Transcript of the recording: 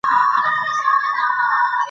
ته د دوى غږ ورسوي.